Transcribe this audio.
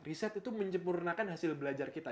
riset itu menyempurnakan hasil belajar kita